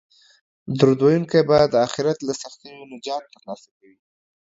درود ویونکی به د اخرت له سختیو نجات ترلاسه کوي